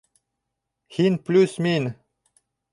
Һин плюс мин!